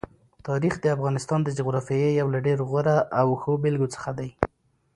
تاریخ د افغانستان د جغرافیې یو له ډېرو غوره او ښو بېلګو څخه دی.